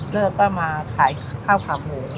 เลิกก็มาขายข้าวขาหมู